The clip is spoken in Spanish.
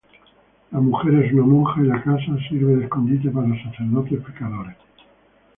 La mujer es una monja y la casa sirve de escondite para sacerdotes pecadores.